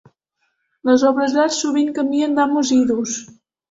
Les obres d'art sovint canvien d'amos i d'ús.